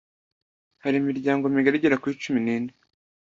hari imiryango migari igera kuri cumi nine